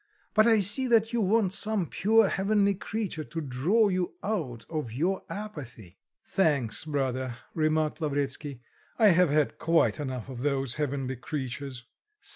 But I see that you want some pure, heavenly creature to draw you out of your apathy." "Thanks, brother," remarked Lavretsky. "I have had quite enough of those heavenly creatures."